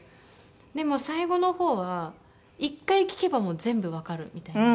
でも最後の方は１回聞けばもう全部わかるみたいな。